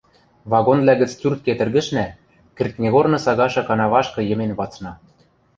Вагонвлӓ гӹц тюртке тӹргӹшнӓ, кӹртнигорны сагашы канавашкы йӹмен вацна.